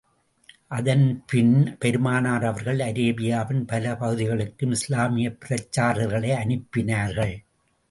அதன் பின், பெருமானார் அவர்கள் அரேபியாவின் பல பகுதிகளுக்கும் இஸ்லாமியப் பிரச்சாரகர்களை அனுப்பினார்கள்.